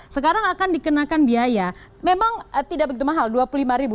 sekarang akan dikenakan biaya memang tidak begitu mahal rp dua puluh lima ribu